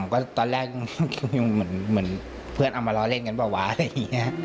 ก็ตอนแรกยังเหมือนเพื่อนเอามาล้อเล่นกันเปล่าวะอะไรอย่างนี้